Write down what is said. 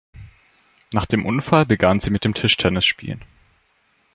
Nach dem Unfall begann sie mit dem Tischtennisspielen.